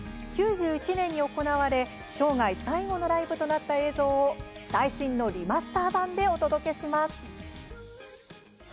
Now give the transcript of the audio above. ９１年に行われ生涯最後のライブとなった映像を最新のリマスター版でお届けします。